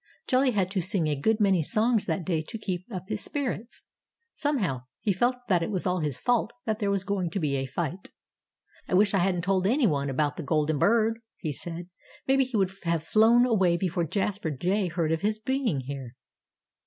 Jolly had to sing a good many songs that day to keep up his spirits. Somehow, he felt that it was all his fault that there was going to be a fight. "I wish I hadn't told anyone about the golden bird," he said. "Maybe he would have flown away before Jasper Jay heard of his being here."